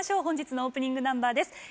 本日のオープニングナンバーです。